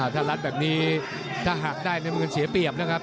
ถ้าลัดแบบนี้ถ้าหักได้มันก็เสียเปรียบนะครับ